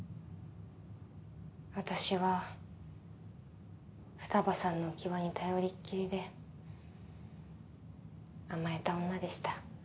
私は二葉さんのうきわに頼りっきりで甘えた女でした。